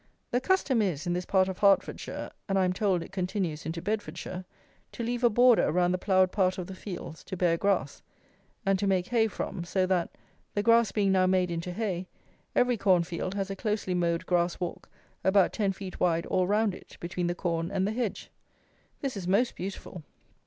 The custom is in this part of Hertfordshire (and I am told it continues into Bedfordshire) to leave a border round the ploughed part of the fields to bear grass and to make hay from, so that, the grass being now made into hay, every corn field has a closely mowed grass walk about ten feet wide all round it, between the corn and the hedge. This is most beautiful!